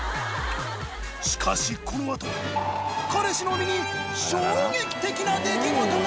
しかしこのあと彼氏の身に衝撃的な出来事が！